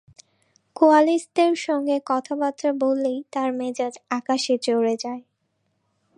কোয়ালিস্টদের সঙ্গে কথাবার্তা বললেই তাঁর মেজাজ আকাশে চড়ে যায়।